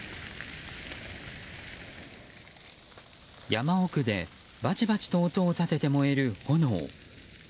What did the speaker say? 山奥でバチバチと音を立てて燃える炎。